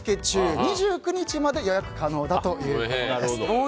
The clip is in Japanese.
２９日まで予約可能だということです。